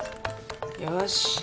よし。